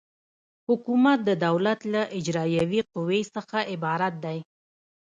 حکومت د دولت له اجرایوي قوې څخه عبارت دی.